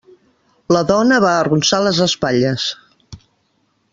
La dona va arronsar les espatlles.